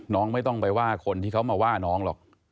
ไม่ต้องไปว่าคนที่เขามาว่าน้องหรอก